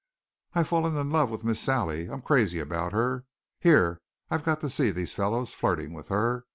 "I've fallen in love with Miss Sally. I'm crazy about her. Here I've got to see these fellows flirting with her.